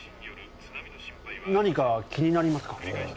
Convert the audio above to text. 何か気になりますか？